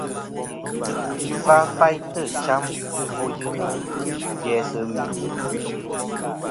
Va faytɨ cham ɨfwoyɨnɨ jæ sɨ mì.